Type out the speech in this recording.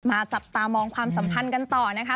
จับตามองความสัมพันธ์กันต่อนะคะ